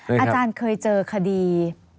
อาจารย์เคยเจอคดี